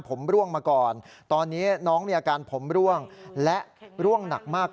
ผมร่วงมาก่อนตอนนี้น้องมีอาการผมร่วงและร่วงหนักมาก